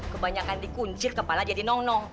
kebanyakan dikuncir kepala jadi nong nong